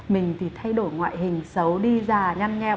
mình thì thay đổi ngoại hình xấu đi già nhăn nheo